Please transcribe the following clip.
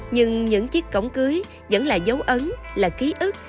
nhưng những chiếc cổng cưới vẫn là dấu ấn là ký ức